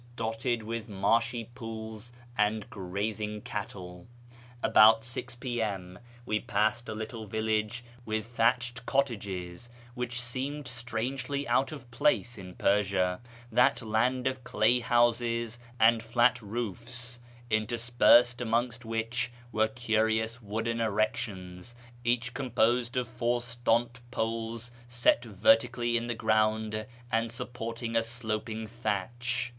dotted with marshy pools and grazing cattle. [About C P.M. we passed a little village with thatched cottages [which seemed strangely out of place in Persia, that land of play houses and flat roofs), interspersed amongst which were liurious wooden erections, each composed of four stout poles et vertically in the ground and supporting a sloping thatch.